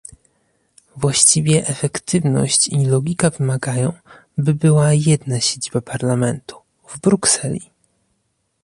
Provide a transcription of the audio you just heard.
Właściwie efektywność i logika wymagają, by była jedna siedziba Parlamentu - w Brukseli